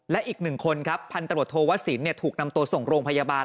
และอีกหนึ่งคนครับพันตรวจโทวสินถูกนำตัวส่งโรงพยาบาล